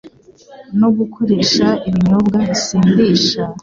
no gukoresha ibinyobwa bisindisha,